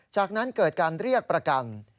จากนั้นเกิดการเรียกประกัน